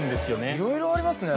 いろいろありますね。